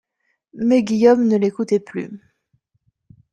Mais Guillaume ne l'écoutait plus.